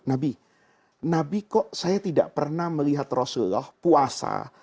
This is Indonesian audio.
nabi nabi kok saya tidak pernah melihat rasulullah puasa